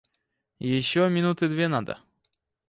Еще минуты две надо.